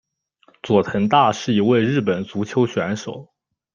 佐藤大是一位日本足球选手。